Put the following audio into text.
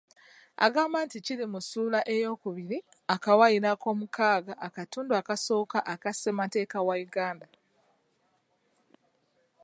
Agamba nti kiri mu ssuula eyookubiri akawaayiro ak'omukaaga akatundu akasooka aka ssemateeka wa Uganda.